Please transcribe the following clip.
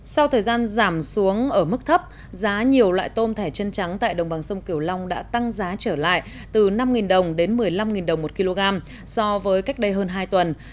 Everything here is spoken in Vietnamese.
sau thời gian giảm xuống ở mức thấp giá nhiều loại tôm thẻ chân trắng tại đồng bằng sông kiều long đã tăng giá trở lại từ năm đồng đến một mươi năm đồng một kg so với cách đây hơn hai tuần